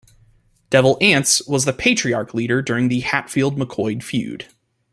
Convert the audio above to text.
Devil Anse was the patriarch leader during the Hatfield-McCoy feud.